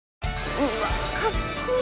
うわっ、かっこい。